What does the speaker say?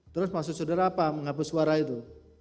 terus maksud saudara apa menghapus suara itu